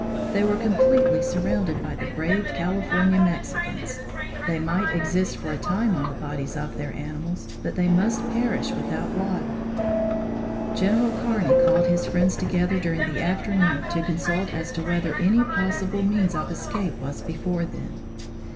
They were completely surrounded by the brave California Mexicans. They might exist for a time on the bodies of their animals, but they must perish without water. General Kearney called his friends together during the afternoon to consult as to whether any possible means of escape was before them.